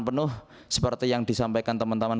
penuh seperti yang disampaikan teman teman